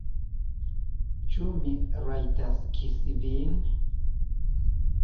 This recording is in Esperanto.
Ĉu mi rajtas kisi vin?